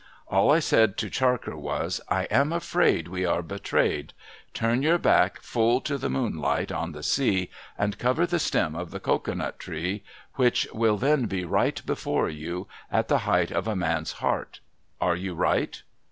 All I said to Charker was, ' I am afraid we are betrayed. Turn your back full to the moonlight on the sea, and cover the stem of the cocoa nut tree which will then be right before you, at the height of a man's heart. Are you right